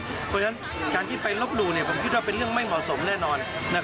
เพราะฉะนั้นการที่ไปลบหลู่ผมคิดว่าเป็นเรื่องไม่เหมาะสมแน่นอน